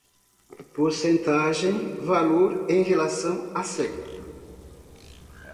Porcentagem: Valor em relação a cem.